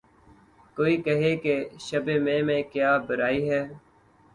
کوئی کہے کہ‘ شبِ مہ میں کیا برائی ہے